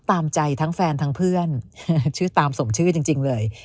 ตามใจทั้งแฟนทั้งเพื่อนชื่อตามสมชื่อจริงเลย